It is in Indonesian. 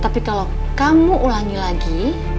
tapi kalau kamu ulangi lagi